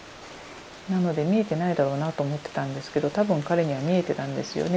なので見えてないだろうなと思ってたんですけど多分彼には見えてたんですよね。